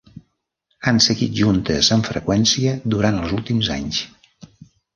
Han seguit juntes amb freqüència durant els últims anys.